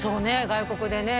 外国でね